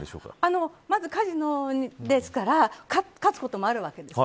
まずカジノですから勝つこともあるわけです。